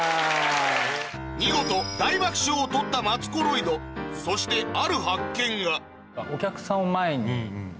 見事大爆笑を取ったマツコロイドそしてあ。